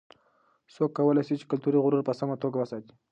څوک کولای سي چې کلتوري غرور په سمه توګه وساتي؟